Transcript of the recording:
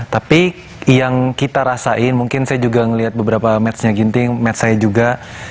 tapi yang kita rasain mungkin saya juga melihat beberapa matchnya ginting match saya juga